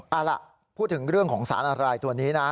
เอาล่ะพูดถึงเรื่องของสารอะไรตัวนี้นะ